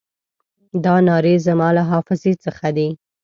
دا نارې زما له حافظې څخه دي.